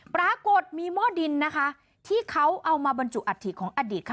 ปรากฏมีหม้อดินนะคะที่เขาเอามาบรรจุอัฐิของอดีตค่ะ